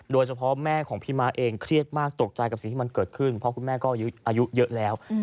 แม่ของพี่ม้าเองเครียดมากตกใจกับสิ่งที่มันเกิดขึ้นเพราะคุณแม่ก็อายุเยอะแล้ว